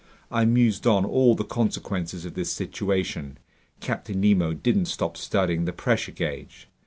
I mused on all the consequences of this situation. Captain Nemo didn't stop studying the pressure gauge.